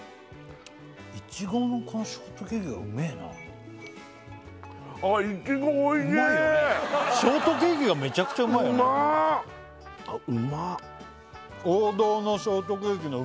イチゴのこのショートケーキがうめえなあっショートケーキがめちゃくちゃうまいよねあっうまあ！